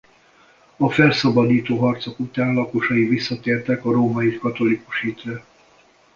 A felszabadító harcok után lakosai visszatértek a római katolikus hitre.